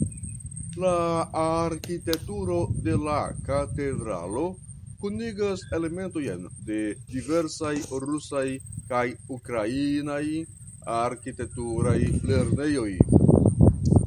La arkitekturo de la katedralo kunigas elementojn de diversaj rusaj kaj ukrainaj arkitekturaj lernejoj.